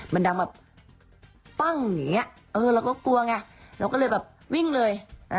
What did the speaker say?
มันดังแบบปั้งอย่างนี้เราก็กลัวไงเราก็เลยแบบวิ่งเลย